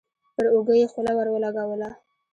پر اوږه يې خوله ور ولګوله.